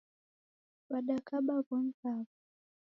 W'adakaba w'omi w'aw'o .